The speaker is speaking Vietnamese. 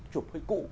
chụp hơi cũ